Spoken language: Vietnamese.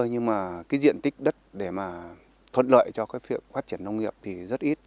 nhưng mà diện tích đất để thuận lợi cho phương phát triển nông nghiệp thì rất ít